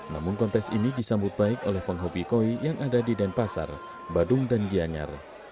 namun kontes ini disambut baik oleh penghobi koi yang ada di denpasar badung dan gianyar